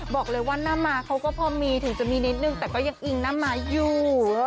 บอกเลยว่าหน้าม้าเขาก็พอมีถึงจะมีนิดนึงแต่ก็ยังอิงหน้าม้าอยู่